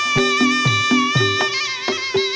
โชว์ที่สุดท้าย